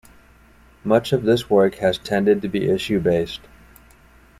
Much of this work has tended to be issue-based.